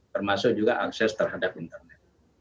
termasuk juga akses terhadap internet